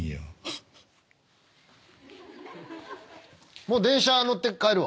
もう電車乗って帰るわ。